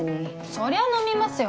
そりゃ飲みますよ